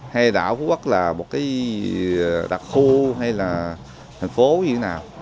hay đảo phú quốc là một cái đặc khu hay là thành phố như thế nào